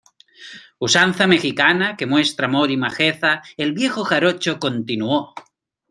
usanza mexicana que muestra amor y majeza, el viejo jarocho continuó: